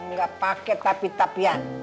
nggak pake tapi tapi ya